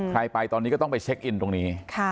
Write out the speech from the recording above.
ไปตอนนี้ก็ต้องไปเช็คอินตรงนี้